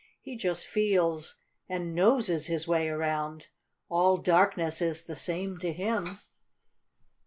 "He just feels and noses his way around. All darkness is the same to him."